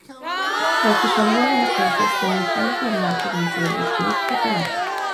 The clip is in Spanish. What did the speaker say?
Tras su salida de la cárcel comenzó a internarse dentro del boxeo profesional.